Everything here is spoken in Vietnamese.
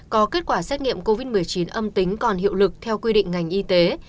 có kết quả xét nghiệm covid một mươi chín âm tính còn hiệu lực theo quy định ngành y tế